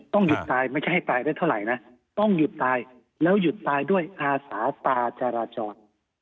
หยุดตายไม่ใช่ให้ตายได้เท่าไหร่นะต้องหยุดตายแล้วหยุดตายด้วยอาสาตาจราจร